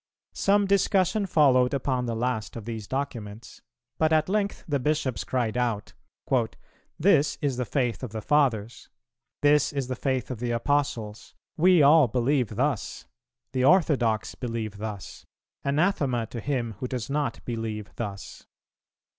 Some discussion followed upon the last of these documents, but at length the Bishops cried out, "This is the faith of the Fathers; this is the faith of the Apostles: we all believe thus; the orthodox believe thus; anathema to him who does not believe thus.